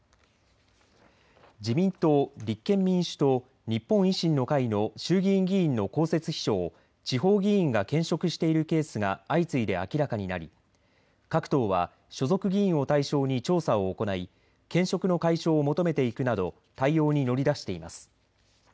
自民党、立憲民主党、日本維新の会の衆議院議員の公設秘書を地方議員が兼職しているケースが相次いで明らかになり各党は所属議員を対象に調査を行い、兼職の解消を求めていくなど対応に乗り出しています。